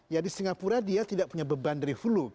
jadi singapura dia tidak punya beban dari hulu